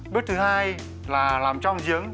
bước thứ hai là làm trong giếng